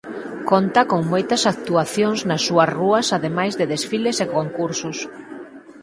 Conta con moitas actuacións nas súas rúas ademais de desfiles e concursos.